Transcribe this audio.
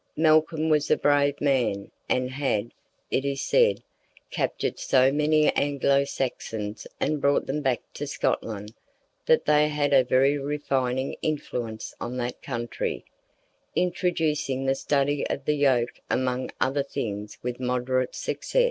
Malcolm was a brave man, and had, it is said, captured so many Anglo Saxons and brought them back to Scotland, that they had a very refining influence on that country, introducing the study of the yoke among other things with moderate success.